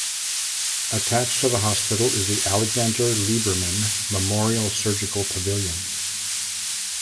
Attached to the hospital is the Alexander Liberman Memorial Surgical Pavilion.